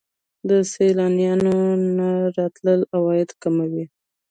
د سیلانیانو نه راتلل عواید کموي.